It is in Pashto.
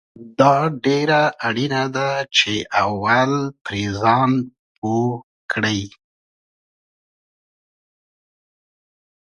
دا ډیره اړینه ده چې اول پرې ځان پوه کړې